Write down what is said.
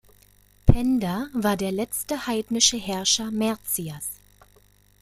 Penda war der letzte heidnische Herrscher Mercias.